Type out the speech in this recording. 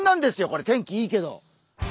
これ天気いいけど。